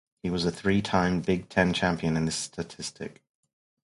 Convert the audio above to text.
He was a three-time Big Ten champion in this statistic.